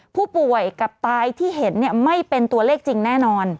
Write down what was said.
ผู้ป่วยกับตายที่เห็นไม่เป็นตัวเลขจริงแน่นอน